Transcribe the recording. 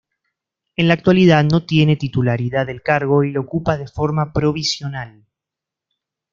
En la actualidad no tiene titularidad del cargo y lo ocupa de forma provisional.